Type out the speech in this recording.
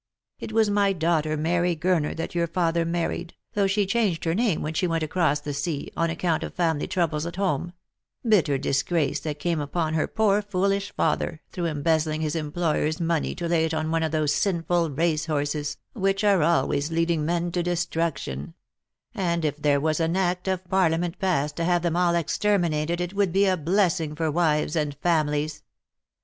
It was my daughter, Mary Gurner, that your father married, though she changed her name when she went across the sea, on account of family troubles at home ; bitter disgrace that came upon her poor foolish father, through embezzling his employer's money to lay it on one of those sinful racehorses, which are always Lost for Love. 3(33 leading men to destruction; and it there was an act of Parlia ment passed to have them all exterminated it would be a bless ing for wives and families.